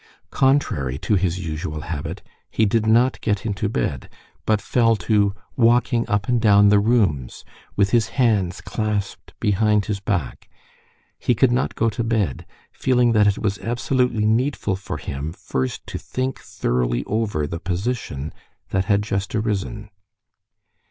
Contrary to his usual habit, he did not get into bed, but fell to walking up and down the rooms with his hands clasped behind his back. He could not go to bed, feeling that it was absolutely needful for him first to think thoroughly over the position that had just arisen.